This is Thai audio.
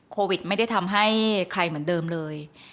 โควิดไม่ได้ทำให้ใครเหมือนเดิมเลย